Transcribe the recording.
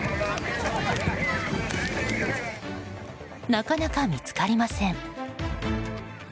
なかなか見つかりません。